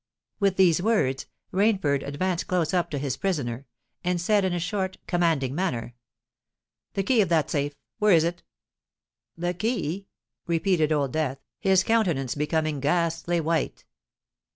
With these words Rainford advanced close up to his prisoner, and said in a short, commanding manner, "The key of that safe—where is it?" "The key?" repeated Old Death, his countenance becoming ghastly white.